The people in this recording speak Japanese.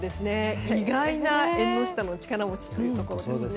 意外な縁の下の力持ちというところですね。